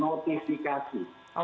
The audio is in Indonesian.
yang mau dijual belikan apa